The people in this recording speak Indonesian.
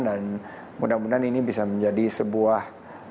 dan mudah mudahan ini bisa menjadi sebuah